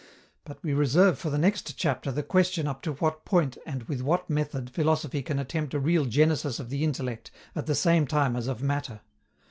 But we reserve for the next chapter the question up to what point and with what method philosophy can attempt a real genesis of the intellect at the same time as of matter.